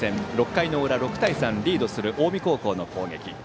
６回の裏、６対３とリードする近江高校の攻撃。